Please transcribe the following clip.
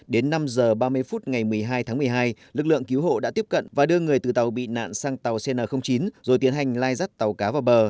đến năm h ba mươi phút ngày một mươi hai tháng một mươi hai lực lượng cứu hộ đã tiếp cận và đưa người từ tàu bị nạn sang tàu cn chín rồi tiến hành lai dắt tàu cá vào bờ